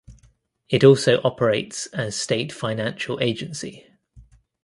It also operates as State Financial Agency.